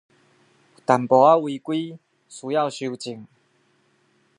有點違規，需要修正